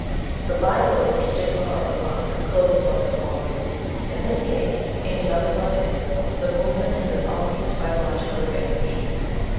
The bilobed stigma of the musk closes on the pollen. In this case, and in others like it, the move ment has an obvious biological advantage.